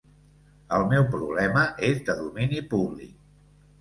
El meu problema és de domini públic.